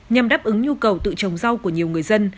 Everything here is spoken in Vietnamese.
nhằm đáp ứng nhu cầu tự trồng rau của nhiều người dân